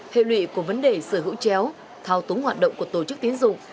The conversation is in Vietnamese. hệ lụy của vấn đề sở hữu chéo thao túng hoạt động của tổ chức tiến dụng